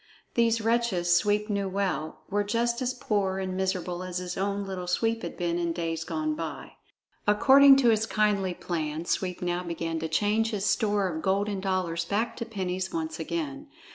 These wretches, Sweep knew well, were just as poor and miserable as his own Little Sweep had been in days gone by. According to his kindly plan, Sweep now began to change his store of golden dollars back to pennies once again.